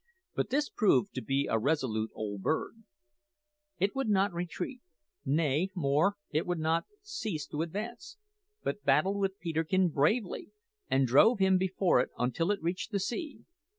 But this proved to be a resolute old bird. It would not retreat; nay, more, it would not cease to advance, but battled with Peterkin bravely, and drove him before it until it reached the sea.